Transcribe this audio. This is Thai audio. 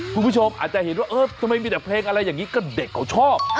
คุณผู้ชมอาจจะเห็นว่าเออทำไมมีแต่เพลงอะไรอย่างนี้ก็เด็กเขาชอบ